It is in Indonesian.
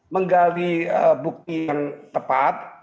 menggali bukti yang tepat